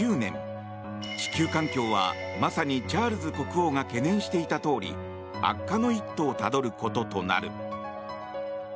地球環境は、まさにチャールズ国王が懸念していたとおり悪化の一途をたどることとなる。